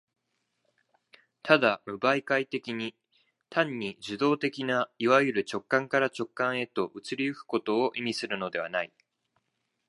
ただ無媒介的に、単に受働的ないわゆる直観から直観へと移り行くことを意味するのではない。